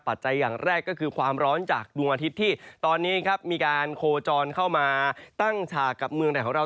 อย่างแรกก็คือความร้อนจากดวงอาทิตย์ที่ตอนนี้ครับมีการโคจรเข้ามาตั้งฉากกับเมืองไทยของเรา